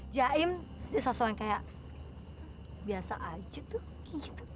jaim jadi sosok yang kayak biasa aja tuh